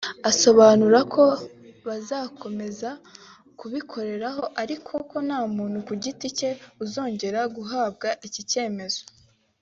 asobanura ko bazakomeza kubikoreraho ariko ko nta muntu ku giti cye uzongera guhabwa iki cyemezo